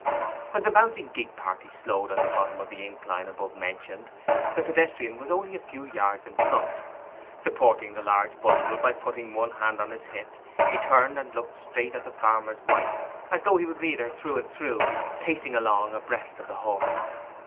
When the bouncing gig party slowed at the bottom of the incline above mentioned, the pedestrian was only a few yards in front. Supporting the large bundle by putting one hand on his hip, he turned and looked straight at the farmer's wife as though he would read her through and through, pacing along abreast of the horse.